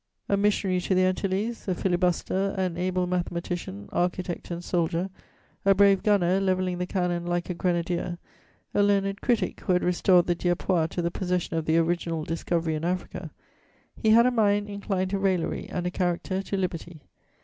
A missionary to the Antilles, a filibuster, an able mathematician, architect and soldier, a brave gunner levelling the cannon like a grenadier, a learned critic, who had restored the Dieppois to the possession of their original discovery in Africa, he had a mind inclined to raillery and a character to liberty.